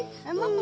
mbak buyut lagi